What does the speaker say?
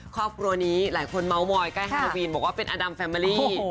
ครอบครัวนี้หลายคนเมาส์มอยใกล้ฮาวีนบอกว่าเป็นอดัมแฟมอรี่